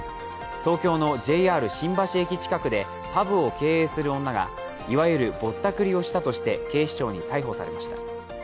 東京のＪＲ新橋駅近くでパブを経営する女がいわゆるぼったくりをしたとして、警視庁に逮捕されました。